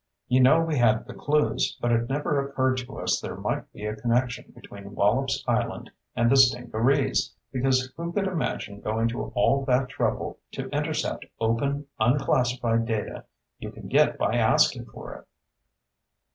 You know we had the clues, but it never occurred to us there might be a connection between Wallops Island and the stingarees, because who could imagine going to all that trouble to intercept open, unclassified data you can get by asking for it?"